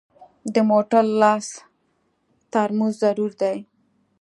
د موټر لاس ترمز ضروري دی.